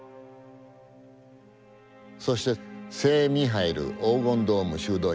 そして聖ミハイル黄金ドーム修道院。